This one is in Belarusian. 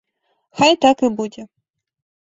Хай і так будзе!